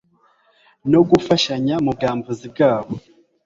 no gufashanya mu bwambuzi bwabo.